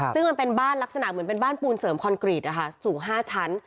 ซึ่งมันเป็นบ้านลักษณะเหมือนเป็นบ้านปูนเสริมคอนกรีตสูง๕ชั้น